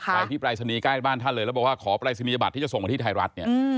ไปที่ปรายศนีย์ใกล้บ้านท่านเลยแล้วบอกว่าขอปรายศนียบัตรที่จะส่งมาที่ไทยรัฐเนี่ย